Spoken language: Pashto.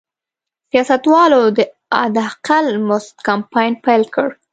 سیاستوالو د حداقل مزد کمپاین پیل کړ.